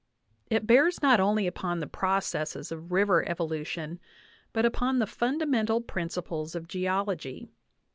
It bears not only upon the processes of river evolution, but upon the fundamental principles of geology.